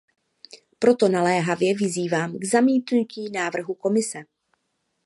Proto naléhavě vyzývám k zamítnutí návrhu Komise.